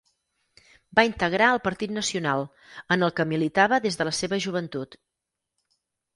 Va integrar el Partit Nacional, en el que militava des de la seva joventut.